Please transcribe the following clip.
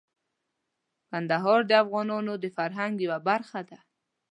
کندهار د افغانانو د فرهنګ یوه برخه ده.